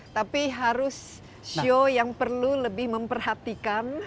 tapi harus show yang perlu lebih memperhatikan